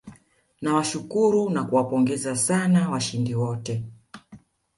nawashukuru na kuwapongeza sana washindi wote